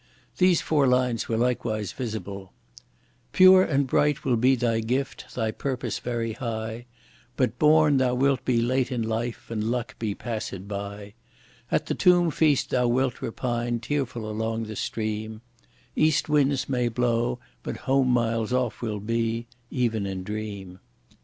These four lines were likewise visible: Pure and bright will be thy gifts, thy purpose very high; But born thou wilt be late in life and luck be passed by; At the tomb feast thou wilt repine tearful along the stream, East winds may blow, but home miles off will be, even in dream.